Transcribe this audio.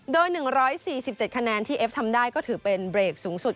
โดย๑๔๗คะแนนที่เอฟทำได้ก็ถือเป็นเบรกสูงสุด